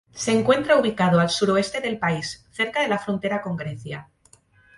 Se encuentra ubicado al suroeste del país, cerca de la frontera con Grecia.